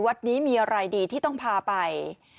วัดนี้มีอะไรดีที่ต้องพาไป